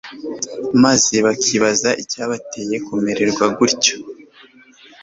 maze bakibaza icyabateye kumererwa gutyo.